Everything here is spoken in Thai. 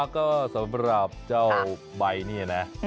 ก็สำหรับเจ้าใบเนี่ยนะ